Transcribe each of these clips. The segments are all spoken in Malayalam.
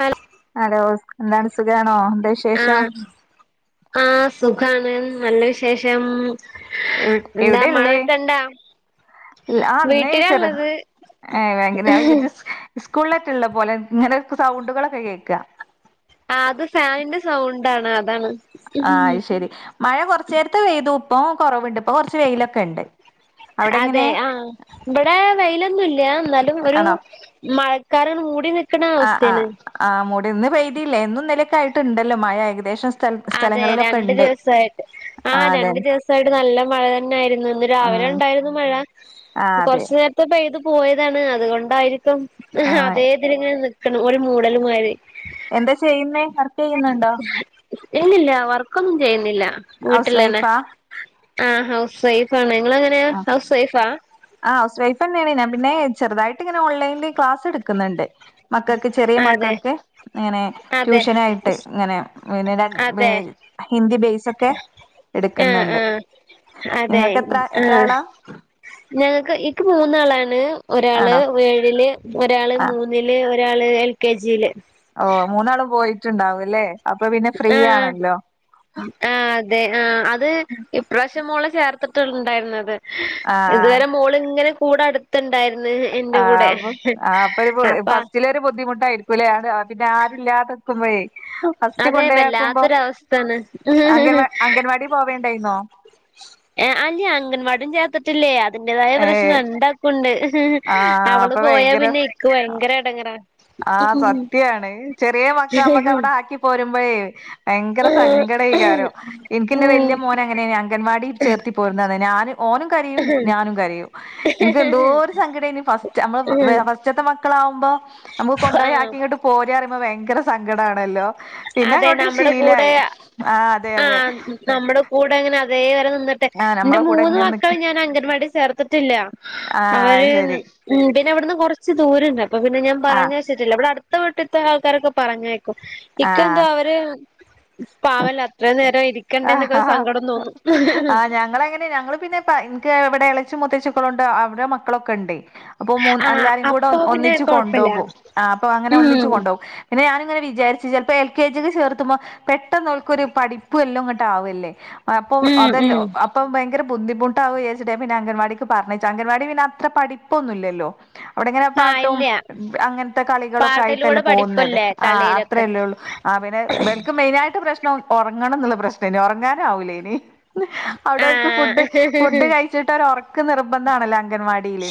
ഹലോ ഹലോ എന്താണ് സുഖാണോ എന്താ വിശേഷം. ആ സുഖാണ് നല്ല വിശേഷം. എ എന്താ എവിടെള്ളേ. മഴക്കെണ്ടാ ആ അന്നെചെറുത് വീട്ടിലാള്ളത് ഏ എങ്ങനെ വിചാരിച്ച് സ്കൂളിലായിട്ടുള്ള പോലെ ഇങ്ങനെ സൗണ്ടുകളൊക്കെ കേൾക ആ അത് ഫാനിന്റെ സൗണ്ട് ആണ് അതാണ് ആഹ് ശരി മഴ കൊറച്ച് നേരത്ത് പെയ്തു ഇപ്പം കൊറവുണ്ട് ഇപ്പൊ കൊറച്ച് വെയിലൊക്കെ ഉണ്ട്. അവിടെ എങ്ങനെ അതെ ആഹ് ഇവിടെ വെയിലൊന്നുംല്ല എന്നാലും ഒരു ആണോ മഴ കാറ് മുടി നിൽക്ക ആഹ് ആഹ് ആഹ് മൂടി ഇന്ന് പെയ്തില്ല ഇന്നും ഇന്നലെക്കായിട്ട് ഉണ്ടല്ലോ മഴ ഏകദേശം. സ്ഥല അതെ സ്ഥലങ്ങളിലൊക്കെ രണ്ട് ഉണ്ട് ദിവസയിട്ട്. ആ ആഹ് അതെ രണ്ടു ദിവസമായിട്ട് നല്ല മഴ തന്നെ ആയിരുന്നു. ഇന്ന് രാവിലെ ഉണ്ടായിരുന്നു. മഴ ആഹ് കുറച്ച് നേരത്തെ പെയ്ത് പോയതാണ് അതുകൊണ്ടായി ഇപ്പം ആ അതേതിൽങ്ങനെ നിക്കണ് ഒരു മൂടല്മായിരി. എന്താ ചെയ്യുന്നേ വർക്ക് ചെയ്യുന്നുണ്ടോ? ഇല്ലില്ല വർക്കൊന്നും ചെയ്യുന്നില്ല ഹൗസ് വീട്ടിലന്നെ. വൈഫാ ആ ഹൗസ് വൈഫണ് നിങ്ങളെങ്ങനെയ ആ ഹൗസ് വൈഫാ ആ ഹൗസ് വൈഫ് തന്നെയാണ് ഞാൻ പിന്നെ ചെറുതായിട്ട് ഇങ്ങനെ ഓൺലൈനിൽ ക്ലാസ് എടുക്കുന്നുണ്ട്. മക്കൾക്ക് ചെറിയ അതെ മക്കൾക്ക് ഇങ്ങനെ അതെ ട്യൂഷൻ ആയിട്ട് ഇങ്ങനെ. പിന്നീട് അതെ [unintelligible] ഹിന്ദി ബേസ് ഒക്കെ എടുക്കുന്നുണ്ട്. [inaudible] അതെ നിങ്ങൾക്ക് എത്ര എത്ര ആഹ് ആളാ ഞങ്ങക്ക് എക്ക് മൂന്നാളാണ് ഒരാള് ആണോ ഏഴില്. ഒരാള് ആ മൂന്നില് ഒരാള് എൽ കെ ജി യില്. ഓ മൂന്നാളും പോയിട്ടുണ്ടാവല്ലേ അപ്പൊ പിന്നെ ഫ്രീ ആഹ് ആണല്ലോ? ആഹ് അതെ ആ അത് ഇപ്രാവശ്യം മോളെ ചേർത്തിട്ടുണ്ടായിരുന്നത്. ആ ഇതുവരെ മോള് ഇങ്ങനെ കൂടെ അടുത്തുണ്ടായിര്ന്ന്. ആഹ് അപ്പ ഫസ്റ്റില്. ബുദ്ധിമുട്ടായിരിക്കൂല്ലേ പിന്നെ ആരുല്ലാത്ക്കുമ്പോഴേ? ഫസ്റ്റ് അതെ കൊണ്ടോയാക്കുമ്പോ വല്ലാത്തൊരവസ്ഥയാണ് അംഗൻവാ അംഗൻവാടി പോവേണ്ടായിരോന്നോ? അല്ല അംഗൻവാടീം ചേർത്തിട്ടില്ലേ അതിന്റേതായ ഏയ് പ്രശ്നം ഉണ്ട. ണ്ട് ആഹ് അവള് അപ്പൊ പോയാ ഭയങ്കര പിന്നെ എക്ക് ഭയങ്കര ഇടങ്ങറ. ആഹ് സത്യാണ്. ചെറിയ മക്കൾ നമ്മക്ക് അവിടെ ആക്കി പോരുമ്പോഴേ ഭയങ്കര സങ്കടം. സങ്കടകാരോ എനിക്ക് എന്റെ ഉം വലിയ മോന് അങ്ങനെ അങ്കൻവാടി ചേർത്തി പോയിരുന്ന ഞാൻ ഓനും കരയും ഞാനും കരയും. എനക്ക് എന്തോ ഒരു സങ്കടം ഇനി ഫസ്റ്റ് നമ്മള് ഫസ്റ്റത്തെ മക്കളാവുമ്പോ. കൊണ്ട് പോയി ആഹ് ആക്കി ഇങ്ങോട്ട് പോരന് പറയുമ്പോ ഭയങ്കര സങ്കടമാണല്ലോ? പിന്നെ അതെ അങ്ങോട്ട് നമ്മുടെ കൂടെ ശീലായി ആഹ് അതെ അതെ. ആഹ് നമ്മുടെ കൂടെ അങ്ങനെ അതേ വരെ നിന്നിട്ട്. ആഹ് എന്റെ നമ്മളെ കൂടെ മൂന്ന് ഇങ്ങനെ നിക്ക് മക്കളും ഞാൻ അംഗൻവാടി ചേർത്തിട്ടില്ല. ആഹ് അവര് ശരി ഉം പിന്നെവിടുന്ന് കുറച്ച് ദൂരണ്ട്. അപ്പ പിന്നെ ഞാൻ ആഹ് പറഞ്ഞ ഇവിടെ അടുത്ത വീട്ട്ത്തെ ആൾക്കാരൊക്കെ പറഞ്ഞേക്കും ഇക്ക എന്താ ആഹ് അവര്. പാവല്ല അത്രേം നേരംയിരിക്കും. ആഹ് ആഹ് ഞങ്ങളങ്ങനാ ഞങ്ങ പിന്നെ എനിക്ക് ഇവിടെ ഇളച്ചി മുത്തേച്ചി മക്കളുണ്ട് അവിടെ മക്കളൊക്കെ ഉണ്ട്. അപ്പൊ മൂ ആഹ് എല്ലാരും കൂടെ അപ്പൊ പിന്നെ ഒന്നിച്ച് കൊഴപ്പില്ല കൊണ്ടോകും ആ അപ്പൊ അങ്ങനെ ഒന്നിച്ച് ഉം കൊണ്ടോകും. പിന്നെ ഞാനിങ്ങനെ വിചാരിച്ചു ചിലപ്പോൾ എൽ കെ ജിക്ക് ചേർത്തുമ്പം പെട്ടെന്നോള്ക്കൊരു പഠി അപ്പ എല്ലാം ഇങ്ങോട്ട് ആവല്ലേ അപ്പൊ ഉം അതല്ല ഉം അ ഇപ്പം ഭയങ്കര ബുദ്ധിമുട്ടാവും ന്ന്ചാരിച്ചിട്ടേ പ്പിന്നെ അങ്കൻവാടിക്ക് പറഞ്ഞയച്ചേ അംഗൻവാടി പിന്നെ അത്ര പഠിപ്പൊന്നുമില്ലല്ലോ. അവിടെ എങ്ങനെ ആഹ് പാട്ടും ഇല്ല അങ്ങനത്തെ കളികളൊക്കെ പാട്ടിലൂടെ ആയിട്ടല്ലേ പോകുന്നത് പഠിപ്പല്ലേ ആ കളിയിലൊക്കെ അത്രേയല്ലേ ഉള്ളു ആഹ് പിന്നെ ബെൽക്ക് മെയിന് ആയിട്ട് പ്രശ്നം ഉറങ്ങണം എന്നുള്ള പ്രശ്നേ ഉറങ്ങാന് ആവൂലേ ഇനി അവിടെർക്ക് ആഹ് ഫുഡ് ഫുഡ് കഴിച്ചിട്ട് ഒ ഉറക്ക് നിർബന്ധമാണല്ലോ അംഗൻവാടി ടിയില്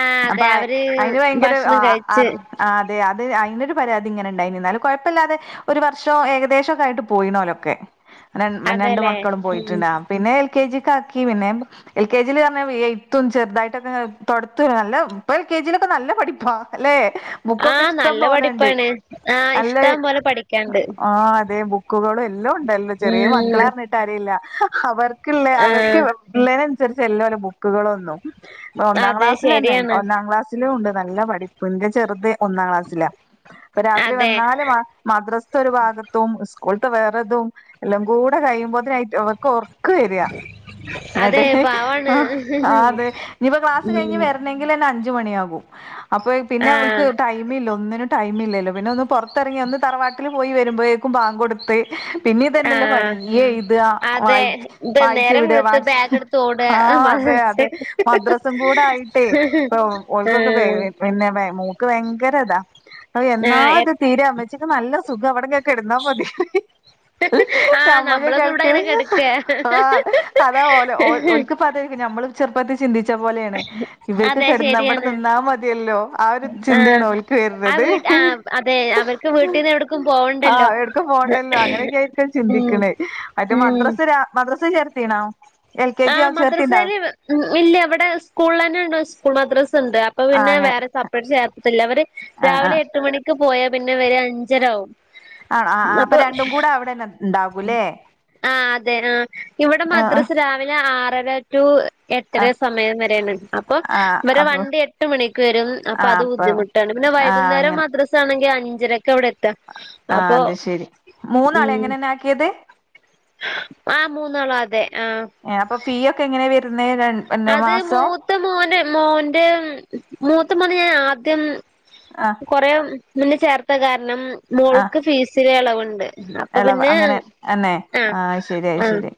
ആഹ് അതെ അപ്പൊ അവര് അയിന് ഭയങ്കര ആ ഭക്ഷണം കഴിച്ച് ആഹ് അതെ അതിനൊരു പരാതി ഇങ്ങനെ ഉണ്ടായി നിന്നാലും കുഴപ്പമില്ലാതെ ഒരു വർഷം ഏകദേശം ഒക്കെ ആയിട്ട് പോയിന്ന ഓലൊക്കെ ര രണ്ട് അതെല്ലേ മക്കളും ഉം പോയിട്ടുണ്ട പിന്നെ എൽ കെ ജിക്ക് ആക്കി പിന്നെ എൽ കെ ജിയില് പറഞ്ഞ എത്തും ചെറുതായിട്ടൊക്കെ തൊടത്തുല്ല നല്ല ഇപ്പൊ എൽ കെ ജിയിലൊക്കെ നല്ല പഠിപ്പാ അല്ലെ ബുക്കൊക്കെ ആഹ് ഇഷ്ടം നല്ല പോലെണ്ട് പഠിപ്പാണ് ആഹ് നല്ല ഇഷ്ടം പോലെ പഠിക്കാണ്ട് ആഹ് അതെ ബു ക്കുകളും എല്ലാം ഉണ്ടല്ലോ ചെറിയ മക്കള ഉം അറിഞ്ഞിട്ട് കാര്യല്ല അവർക്കുള്ള അവർക്ക് ആഹ് പിളളര് അനൂസരിച് അലഎല്ലാ ബുക്കുകളൊന്നും ഒന്നാം അതെ ക്ലാസ്സൽ തന്നെ ഉണ്ട് ശരിയാണ് ഒന്നാം ക്ലാസ് തിലും ഉണ്ട് നല്ല പഠിപ്പുന്റെ ചെറുത് ഒന്നാം ക്ലാസ്സില അപ്പൊ രാത്രി അതെ വന്നാല് മദ്രാസത്തെ ഒരു ഭാഗത്തും സ്കൂളത്തെ വേറതും എല്ലാം കൂടെ കഴിയുമ്പോതിനായിട്ട് അവർക്ക് ഒർ ക്ക വര്യ എന്നട്ടത് അതെ പാവാണ് അത് എനി ഇപോൾ ക്ലാസ് ഉം കഴിഞ്ഞ് വരുന്ന കിൽ ത്തന്നെ അഞ്ചു മണിയാവും അപ്പോൾ പിന്നെ ഇവൾക് ആഹ് ഒന്നിനും ടൈം ഇല്ലല്ലോ പിന്നൊന്നു പുറത്ത് തിറങ്ങി ഒന്ന് തറവാട്ടിൽ പോയി വരുമ്പോഴേക്കും ബാങ്ക് കൊടുത്ത് പിന്നീതന്നെയല്ലോ പണി ആഹ് ഈ എയ്താ അതെ വായി ഇത് വായിച്ച നേരം ഇവിടെ വെളുത്ത് വാട്സ് ബാഗ് എടുത്ത് ഓടുക ആഹ് അതെ അതെ മദ്രസും കൂടെ ആയിട്ടേ ഓക്കൊക്കെ ആഹ് പിന്നെ വെ ക്ക്‌ ഭയങ്കരതാ എന്നാത് എത്ര തീരെ ഉമ്മ ചിക്ക് നല്ല സുഖം വിടെങ്ങനെ ക്കെടുന്നാൽ മതി [inaudible] നമ്മക്ക് നമ്മളൊക്കെ ഇവിടെ കിടക്ക അങ്ങനെ കെടക്ക ആഹ് അത അതാ ഓലെ ഒരിക്ക പത നമ്മള് ചെറുപത്തിൽ. ചിന്തിച്ചു ച പോലെയാണ് ഇവർക്ക് അതെ കിടന്ന അവിടെ ശരിയാണ് നിന്നാ മതിയല്ലോ ആ ഒരു ആഹ് ചിന്തയാണ് ഓൽക്ക് ആ വരുന്നത് വീട്ട് ആഹ് അതെ അവർക്ക് വീട്ടിൽന്ന് എവിടക്കും പോവണ്ടല്ലോ ആഹ് എവിടക്കും പോണ്ടല്ലോ അങ്ങനെയൊക്കെ ആയിരിക്കും ഉം ചിന്തിക്കണെ മറ്റേ ഉം മദ്ര രാ മദ്രസ്സ ചേർത്തിണോ ആഹ് മദ്രസയില് ഉ ഇല്ല ഇവിടെ സ്കൂളിൽ തന്നെ ഉണ്ട സ്കൂൾ മദ്രസ് ഉണ്ട് അപ്പൊ ആഹ് പിന്നെ അങ്ങനെ വേറെ സെപ്പറേറ്റ് ചേർത്തത്തില്ല അവര് ആഹ് രാവിലെ ആഹ് എട്ട് മണിക്ക് പോയാ പിന്നെ വരെ അഞ്ചര അവും ആഹ് ആഹ് ആഹ് അപ്പൊ രണ്ടും കൂടെ അവിടെന്നെ ഉണ്ടാകൂല്ലേ ആഹ് അതെ ആഹ് ഇവിടെ ആഹ് മദ്രാസ രാവിലെ ആറര എട്ടര ആഹ് സമയം വരെയാണ്ണ്ട് അപ്പൊ ആഹ് വരെ അപ്പൊ വണ്ടി എട്ട് മണിക്ക് വരും അപ്പൊ അത് ബുദ്ധിമുട്ട് ട്ടാണ് പിന്നെ ആഹ് വൈകുന്നേരം അങ്ങനെ മദ്രസ ആണെങ്കി അഞ്ചര ക്ക അവിടെ എത്താ അപ്പൊ ക്കത് ആഹ് മൂന്നാളോ അതെ ആഹ് ഏ അപ്പൊ ഫീ ഒക്കെ എങ്ങനെ വരുന്നത് റൺ അത് മൂത്ത മോന് മോന്റെ മൂത്ത മോന് ഞാൻ ആദ്യം ആഹ് കൊറെ മുന്നേ ചേർത്ത കാരണം മോൾക്ക് ഫീസില് എളവുണ്ട് ഇളവ് അങ്ങനെ എന്നെ ആയ് ശരി അയ് ആ ശരി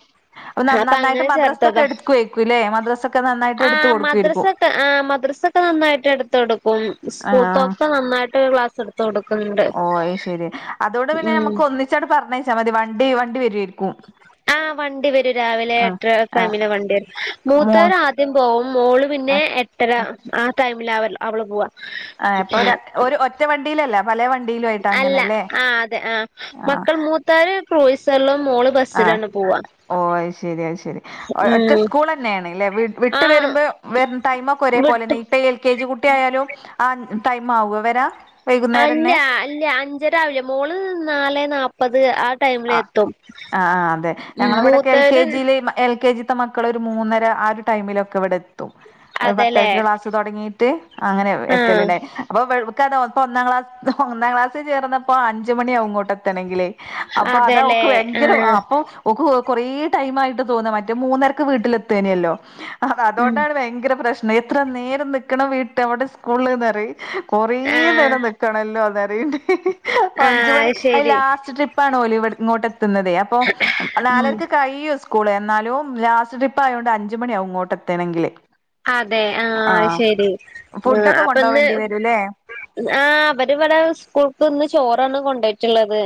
അപ്പൊ നന്നായിട്ട് അങ്ങനെ മദ്രസൊക്കെ ചേർത്തതാ എടു ത്ത് കൊയ്ക്കു മദ്രസ് എടുത്ത് കൊടു മദ്രസ ഒക്കെ ആ മദ്രസൊക്കെ നന്നായിട്ട് എടുത്ത് കൊടുക്കും ആഹ് സ്കൂളത്തൊക്കെ നന്നായിട്ട് ക്ലാസ് എടുക്കും ത്തുകൊടുക്കുന്നുണ്ട് ഓ അയ് ശരി അതോട് പിന്നെ നമമ്മക്ക് ഒന്നിച്ചോടെ പറഞ്ഞച്ചാൽ മതി വണ്ടി വണ്ടി വര്വായിരിക്കും ആഹ് വണ്ടി വരും രാവിലെ എട്ടര ടൈ ആഹ് വണ്ടി വരും മൂ മൂത്തവർ ആദ്യം പോവും മോള് പിന്നെ ആഹ് പിന്നെ ആ ടൈമിൽ അവ അവള് പോവാ ആഹ് ഇപ്പൊ ഒരു ഒറ്റ വണ്ടിയിലല്ല പല വണ്ടിയിലും ആയിട്ട് അല്ല അങ്ങനെല്ലേ ആഹ് അതെ ആഹ് ആഹ് മക്കൾ മൂത്താർ ക്രൂയിസലും മോള് ബസ്സിലാണ് പോവ്വ ഓഹ് അയ്ശരി അയ്ശരി ഒഹ് ഒറ്റ ഉം സ്കൂളന്നെയാണ് ഇല്ലെ വി വിട്ട് ആഹ് വരുമ്പോ വര് ടൈമോക്ക ഒരേ വിട്ട് പോലെന്നെ പ്പ എൽ കെ ജി കുട്ടി ആയാലും ആ ടൈം ആവുവോ വരാ അല്ല അല്ല അഞ്ചരാവില്ല മോള് നാലെ നാപ്പത് ആ ടൈം അ ആഹ് ആഹ് അതെ ഞങ്ങള ഇവടക്കെ എൽ കെ മൂത്തവര് ജീ ല് മ എൽ കെ ജി ത്ത മക്കളോര് മൂന്നര ആ ഒരു ടൈമിലൊക്ക ഇവ്ടെത്തും അഹ് അതെല്ലേ പത്തരക്ക് ക്ലാസ്സ് തോടങ്ങീ റ്റ് അങ്ങനെ എത്തല് ആഹ് ടെ അപ്പൊ ഇവൾ ഇവക്കാണ് ഒഹ് ഇപ്പൊ ഒന്നാം ക്ലാസ് ഒന്നാം ക്ലാസ്സിൽ ചേർന്നപ്പോ അഞ്ച് മണിയാവും ഇങ്ങോട്ടെത്തണെങ്കിലെ അപ്പ അതാ അതെല്ലേ ഓക്ക് ഭയങ്കര ആഹ് അപ്പോം ഓക്ക് കൊറെ ടൈം ആയിട്ട് തോന്ന മറ്റേ മൂന്നരക്ക് വീട്ടിലെത്തെനയല്ലോ ആഹ് ഉം അതോണ്ടാണ് ഭയങ്കര പ്രശ്നം എത്ര നേരം നിക്കണം വീട്ട് അവടെ സ്കൂള് ന്ന് പറയ് കൊറേ ആഹ് നേരം നിക്കണല്ലോന്ന് പറയേണ്ട് ആഹ് അഞ്ച് മണി അത് അയ് ശരി ലാസ്റ്റ് ട്രിപ്പ് പ്പ ആണോല് ഇവ് ഇങ്ങോട്ടെത്തുന്നത് അപ്പൊ ഉം നാലരക്ക് കഴിയും സ് കൂള് എന്നാലും ലാസ്റ്റ് ട്രിപ്പ് ആയോണ്ട് അഞ്ചുമണിയാവും ഇങ്ങോട്ട് എത്തണെങ്കില് അതെ ആഹ് ശരി ആഹ് ഫുഡൊക്കെ അപ്പ ഇന്ന് കൊണ്ടോവേണ്ടി വരൂല്ലേ ആഹ് ഇവര് ഇവിടെ സ്കൂൾക്ക് ഇന്ന് ചോറാണ് കൊണ്ടോയിട്ടുള്ളത്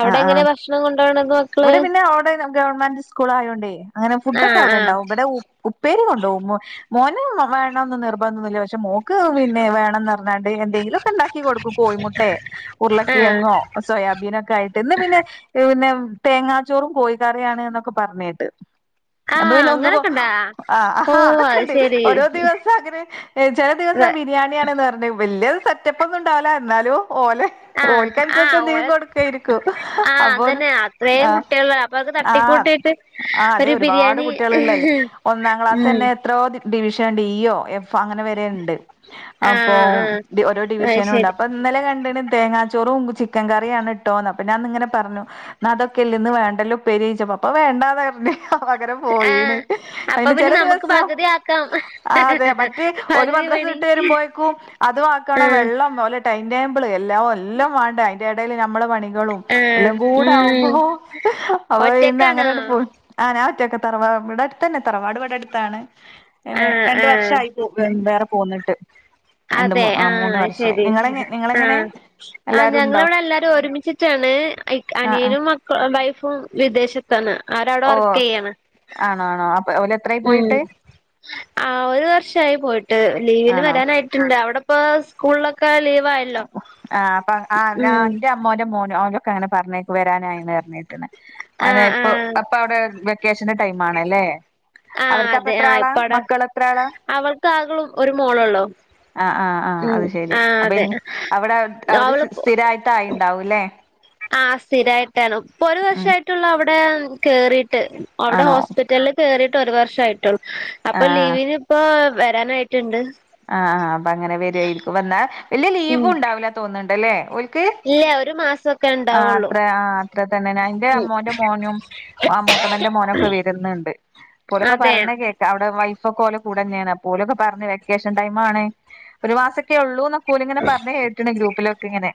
അവിടെ എങ്ങനെ ഭക്ഷ ണം കൊണ്ടൊക്കുന്നത് ഇവടെ പിന്നെ അവിടെ ഗവൺമെന്റ് സ്കൂളായോണ്ടെ അങ്ങനെ ഫുഡ് ഒക്ക ആഹ് ആഹ് അവിട്ണ്ടാവും ഇവടെ ഉപ് ഉപ്പെരി കൊണ്ടോവും മോന് വേണോന്ന് നിർബന്ധം ഒന്നൂല പക്ഷെ മോ ക്ക് പിന്നെ വേണംന്ന് പറഞ്ഞാണ്ട് എന്തെങ്കിലു ഒക്ക ഇണ്ടാക്കി കൊടുക്കും കോഴിമുട്ടെ ആഹ് ഉരുളക്കിഴങ്ങോ സോയാബീനൊക്കെ ആയിട്ട് ഇന്ന് പിന്നെ പിന്നെ തേങ്ങാച്ചോറും കോഴിക്കറിയാണ് എന്നൊക്കെ പറഞ്ഞേട്ട് അപ്പൊ ആഹ് പിന്നെ ഒന്നും കൊ അങ്ങനൊക്കെണ്ടാ ആഹ് ആഹ് ഓഹ് അതെക്കെ അത് ഇണ്ട് ശരി ഓരോ ദിവസം അങ്ങനെ ചെല ദിവസം ബിരിയാണിയാണെന്ന് പറഞ്ഞ് വല്യ സെറ്റപ്പോന്നും ഇണ്ടാവ് ല എന്നാലു ഓലെ ആഹ് ആഹ് ഓൽക്കനുസരിച്ച് എന്തെലും ഓലെ കൊടുക്കായിരിക്കും ആഹ് അപ്പോ അതന്നെ അത്രയും ആഹ് കുട്ടികള് അപ്പൊ അത് ആഹ് തട്ടിക്കൂട്ടിയിട്ട് ആ ഹ് അതെ ഒരു ഒരുപാട് ബിരിയാണി കുട്ടികള് ഇള്ളെ അല്ലേ ഒന്നാം ഉം ക്ലാസന്നെ എത്രോ ഡി ഡിവിഷൻ ഡി ഒഹ് എഫ് അങ്ങനെ വരെ ഇണ്ട് അപ്പൊ ആഹ് ആഹ് ഡി ഓരോ അത് ഡിവിഷനു ഉണ്ട് ശരി അപ്പൊ ഇന്നലെ കണ്ടണ് തേങ്ങാച്ചോറും ചിക്കൻ കറിയണ് ട്ടോന്ന് അപ്പ ഞാൻ ഇന്ന്ങ്ങനെ പറഞ്ഞു ഇന്ന അതൊ ക്കല്ലേ ഇന്ന് വേണ്ടല്ലോ ഉപ്പേരി ചോയ്ചെപ്പം അപ്പ വേണ്ടാ പറഞ്ഞ് പകരം പോയിണ് ആഹ് അപ്പൊ അയിന് പിന്നെ ചെല നമുക്ക് ദിവസം പകുതി ആക്കാം അതെ മ റ്റെ ഓല് പകുതി മദ്രസ പണി വിട്ട് വരുമ്പോയെക്കും അതു ആക്കണം ആഹ് വെള്ളം ഓലെ ടൈം ടേബ്ള് എല്ലാവു എല്ലാം വാണ്ടെ അയിന്റെ എടെല് ഞമ്മള പണികളും ആഹ് എല്ലാം കൂടാകു മ്പോ ഉം അപ്പൊ പിന്നെ ഒറ്റക്കാണോ അങ്ങനങ്ങട്ട് പോയി ആഹ് നാ ഒറ്റക്ക് തറവാ ഇവട അടുത്തന്ന തറവാടിവട അടുത്താണ് ഇങ്ങനെ ആഹ് രണ്ട് ആഹ് വർഷായി പോക് ന്ന വേറെ പോന്നട്ട് അതെ ആഹ് ശെരി നിങ്ങളെങ്ങ നിങ്ങളെങ്ങനെ ആഹ് ആഹ് എല്ലാരും ഉണ്ടോ ഞങ്ങളിവിട എല്ലാരും ഒരുമിച്ച് ച്ചാണ് അയ്ക് ആ ആ അനിയനും മക്ക വൈഫും വിദേശ താണ് ആരവട ഓ വർക്കെയ്യാണ് ആണോ ആണോ അപ്പ ഓല് എത്ര യ് ഉം ആഹ് ഒരു വർഷായി പോയ്ട്ട് ലീവിന് ആണോ വരാനായി ട്ട്ണ്ട് അവടെപ്പോ സ്കൂള്ലോക്ക ലീവ് ആഹ് അപ്പ അ ഞാ എന്റെ അമ്മോന്റെ മോന് അവനൊക്ക അങ്ങന പറഞ്ഞെക്ക വരാനായെന്ന് പറഞ്ഞെട്ട്ണ് അനെ ആഹ് ഇപ്പൊ ആഹ് അപ്പ അവിടെ വെക്കേഷന് ടൈം ആണലെ ആഹ് അതെ ആഹ് ഇപ്പ അവട എത്ര ആളാ അവൾക്ക് ആകള്ളൂ ഒരു മോളോള്ളൂ ആഹ് ആഹ് ആഹ് അത് ശെരി അപ്പൊ ഇൻ അവിടെ അവര് അവള് സ് സ്ഥിരായിട്ടായി ഇണ്ടാവൂല്ലേ ആഹ് സ്ഥിരായിട്ടാണ് ഇപ്പൊ ഒര് ഉം വർഷയിട്ടുള്ള അവിടെ കേറീട്ട് അവ്ട ആണോ ഹോസ്പിറ്റല്ല് കെറീട്ട് ഒരു വർഷ ആയിട്ടുള്ളൂ ആ അപ്പൊ ലീവിന് ഇപ്പോ വരാനായി ട്ടിണ്ട് ആഹ് ആഹ് അപ്പൊ അങ്ങനെ വരുവായിരിക്കും വന്നാൽ വലിയ ലീവ് ഉം ഉണ്ടാവില്ല തോന്നുന്നുണ്ട്ല്ലേ ഓൽ ഇല്ല ഒരു മാസൊക്കെ ആഹ് ഉണ്ടാവുള്ളൂ അത്രേ ആഹ് അത്ര തന്നെ അൻന്റെ അമ്മോന്റെ മോനും ആഹ് മൂത്തവന്റെ മോനും ഒക്കെ വരുന്നുണ്ട് പോലൊക്കെ അതെ പറഞ്ഞെ കേൾക്ക അവിടെ വൈഫൊക്ക പോലെ കൂടെ തന്നെയാണ് അപൊ പോലൊക്കെ പറഞ്ഞ വെക്കേഷൻ ടൈം ആണ് ആഹ് ഒരു മാസൊക്കെ ഉള്ളൂ എന്നൊക്ക ഓലിങ്ങനെ പറഞ്ഞ കേട്ടിണ് ഗ്രൂപ്പിലൊക്കെ ഇങ്ങനെ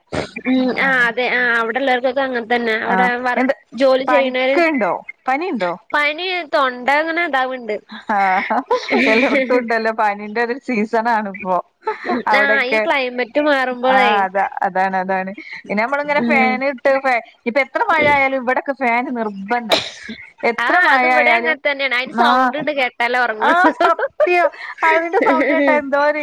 ഉം ആഹ് അതെ ആഹ് അവിടെള്ളവർക്കൊക്കെ അങ്ങനെ തന്നെ ആ അവിടെ വർ എന്ത് ജോലി ചെയ്യുന്ന പനിക്ക്ണ്ടോ പനിണ്ടോ പനിയാ തൊണ്ട അങ്ങനെ അതാവണ്ട് പനീന്റെ ഒരു സീസൺ ആണ് ഇപ്പോ ആഹ് ഈ അവിടൊക്കെ ക്ലൈമറ്റ് മാറുമ്പോഴേ ആഹ് അതാ അതാണ് അതാണ് പിന്നെ നമ്മള ഇങ്ങനെ ഉം ഫാൻ ഇട്ട് ഇനി ഇപ്പൊ എത്ര മഴയാലും ഇവിടെയൊക്കെ ഫാന്‌ നിർബന്ധ എത്ര ആഹ് അത് മഴ ഇവിടെ ആയാലും അങ്ങനെ തന്നെയാണ് അയിന് സൗണ്ട് ആഹ് ഇണ്ട് കേട്ടാലേ ഉറങ്ങു ആഹ് സത്യം അതിന്റെ സൗണ്ട് കേട്ടാ [unintelligible] എന്തോര്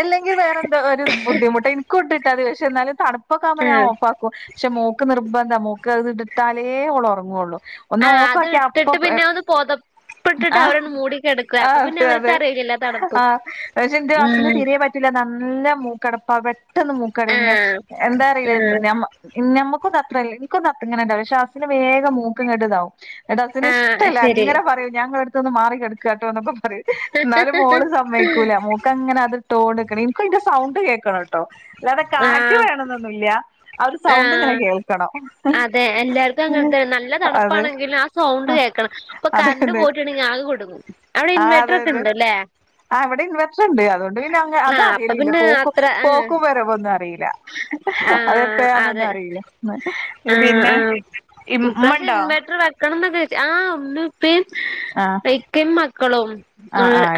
അല്ലെങ്കിൽ വേറെന്ത ഒരു ബുദ്ധിമുട്ട് എനിക്കൊണ്ടിട്ട് അത് പക്ഷെ എന്നാലും തണു ഇപ്പൊക്ക ആവുമ്പോ ഞാൻ ഓ ഫാക്കും പക്ഷെ മോക്ക് നിർബന്ധം മോക്ക് അത് ഇട്ടാലേ അവള് ഉറങ്ങുവുള്ളൂ ഒന്ന് ആഹ് ഓഫ് അത് ആക്കിയ അപ്പൊ ഇട്ടിട്ട് പിന്നെ ഒന്ന് പൊതപ്പിട്ടിട്ട് ആഹ് അവരൊന്ന് മൂടി കിടക്കുക അപ്പൊ പിന്നെ ആഹ് അതെ അവർക്ക് അതെ അറിയില്ലല്ലോ തണുപ്പ് ആഹ് പക്ഷെ എന്ത് ഹസിന് ഉം തിരേ പറ്റില്ല നല്ല മൂക്കടപ്പാ പെട്ടന്ന് മൂക്കടങ്ങ് ആഹ് എന്താ അറില്ല ആഹ് ഞമ്മ നമ്മക്കുന്നത്രല്ല എനിക്കും ഒന്നത്രല്ല പക്ഷേ ഹസിന് വേഗ മൂക്കും അങ്ങട്ടുതാവും ഇവിടെ അച്ഛന് ആഹ് ഇഷ്ടല്ല, ശരി അങ്ങനെ പറയൂ ഞങ്ങള അടുത്തൊന്ന് മാറി കെടക്കു കേട്ടോ എന്നൊക്കെ പറയു എന്നാലും മോള് കേക്കൂല മോക്കങ്ങനെ അത് ഇട്ടോണ്ട് നിക്കണം എനിക്ക് അതിന്റെ സൗണ്ട് കേൾക്കണ കേട്ടോ അല്ലാതെ കാറ്റ് ആഹ് വേണം എന്നൊന്നുമല്ല ആഹ് അതെ എല്ലാർക്കും അങ്ങനത്തെ നല്ല അതെ തണുപ്പാണെങ്കിലും സൗണ്ട് കേൾക്കണം ഇപ്പൊ അതെ കറണ്ട് അതെ പോയിട്ടുണ്ടെങ്കിൽ ആകെ കുടുങ്ങും അവിടെ ഇൻവേർട്ടർ അതെ ഒക്കെ അതെ ഉണ്ട് അല്ലേ ആഹ് ഇവിടെ ഇൻ വെറ്ററുണ്ട് അതുകൊണ്ട് പിന്നെ ആഹ് അപ്പൊ അതറിയില്ല പിന്നെ അത്ര ആഹ് പോക്കും വരവോ ഒന്നും അറിയില്ല ആഹ് അതെ അതെപ്പഴാന്നൊന്നും അറിയില്ല ആഹ് പിന്നെ ആഹ് ഈ ഇമ്മ പ്രാവശ്യ ഉണ്ടോ ഇൻവെർട്ടർ കണന്താ കഴച്ച ആഹ് ഒന്ന് പേം ആഹ് ഇക്കയും മക്കളും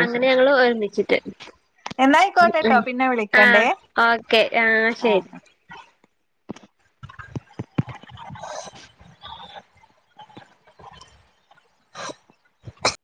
അങ്ങനെ ശരി ഞങ്ങള് ഒരുമിച്ചിട്ട് എന്നായിക്കോട്ടെട്ടോ പിന്നെ ആഹ് വിളിക്കണ്ടേ ഓക്കെ ആഹ് ശരി [unintelligible] [unintelligible]